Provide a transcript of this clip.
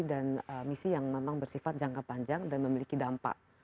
dan misi yang memang bersifat jangka panjang dan memiliki dampak